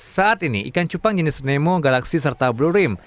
saat ini ikan cupang jenis nemo galaxy serta blue rim